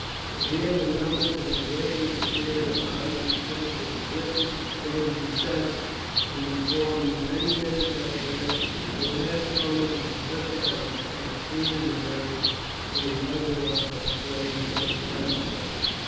But here the numbers and the greatly superior height and strength of the Britons were decisive, and before many minutes had passed the last Roman had been cut down, the scene of the battle being lighted up by the flames of Huntingdon.